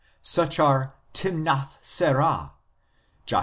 Such are Timnath serah (Josh.